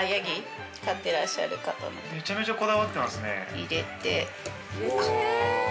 入れて。